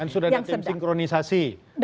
itu ada tim sinkronisasi